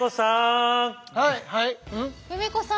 はい。